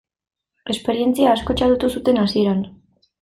Esperientzia asko txalotu zuten hasieran.